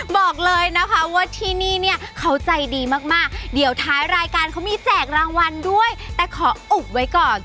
บอกเลยนะคะว่าที่นี่เนี่ยเขาใจดีมากเดี๋ยวท้ายรายการเขามีแจกรางวัลด้วยแต่ขออุบไว้ก่อน